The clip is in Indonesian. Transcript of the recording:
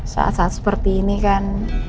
saat saat seperti ini kan